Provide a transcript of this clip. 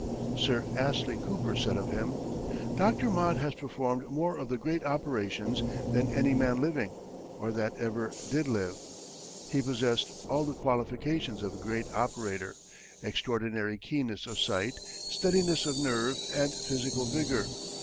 Sir Astley Cooper said of him: "Dr. Mott has performed more of the great operations than any man living, or that ever did live." He possessed all the qualifications of a great operator, extraordinary keenness of sight, steadiness of nerve, and physical vigor.